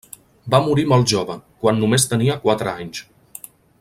Va morir molt jove, quan només tenia quatre anys.